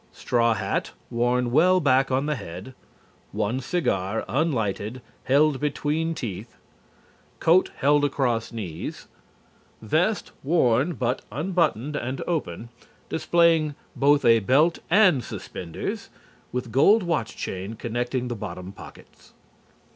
Straw hat, worn well back on the head; one cigar, unlighted, held between teeth; coat held across knees; vest worn but unbuttoned and open, displaying both a belt and suspenders, with gold watch chain connecting the bottom pockets.